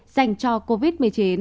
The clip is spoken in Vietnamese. dành cho covid một mươi chín